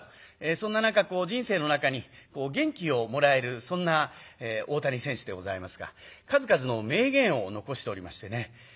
そんな中人生の中に元気をもらえるそんな大谷選手でございますが数々の名言を残しておりましてね。